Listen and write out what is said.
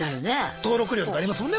登録料とかありますもんね